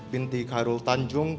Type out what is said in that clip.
binti hairul tanjung